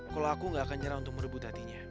kalau aku gak akan nyerah untuk merebut hatinya